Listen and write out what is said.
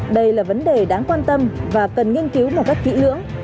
đây là vấn đề đáng quan tâm và cần nghiên cứu một cách kỹ lưỡng